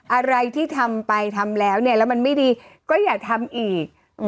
อะไรที่ทำไปทำแล้วเนี่ยแล้วมันไม่ดีก็อย่าทำอีก